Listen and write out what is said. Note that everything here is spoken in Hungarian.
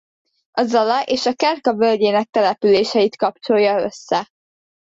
A Zala és a Kerka völgyének településeit kapcsolja össze.